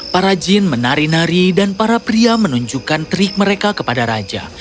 para jin menari nari dan para pria menunjukkan trik mereka kepada raja